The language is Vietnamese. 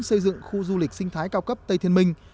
xây dựng khu du lịch sinh thái cao cấp tây thiên minh